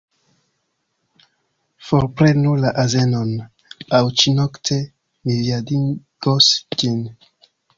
Forprenu la azenon, aŭ ĉi-nokte mi viandigos ĝin.